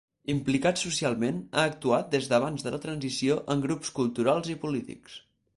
Implicat socialment ha actuat des d'abans de la transició en grups culturals i polítics.